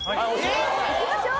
いきましょう！